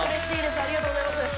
ありがとうございます。